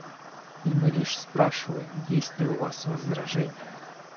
И мы лишь спрашиваем, есть ли у вас возражения.